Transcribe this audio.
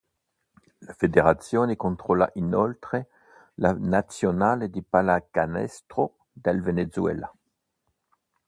La federazione controlla inoltre la nazionale di pallacanestro del Venezuela.